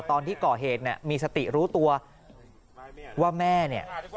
ตอนที่ก่อเหตุเนี่ยมีสติรู้ตัวว่าแม่เนี่ย